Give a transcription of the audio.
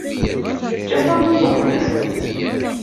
Yeǧǧa tameṭṭut-nnes.